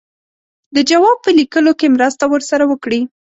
د جواب په لیکلو کې مرسته ورسره وکړي.